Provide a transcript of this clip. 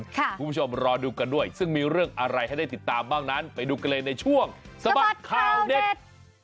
คุณผู้ชมรอดูกันด้วยซึ่งมีเรื่องอะไรให้ได้ติดตามบ้างนั้นไปดูกันเลยในช่วงสะบัดข่าวเด็ด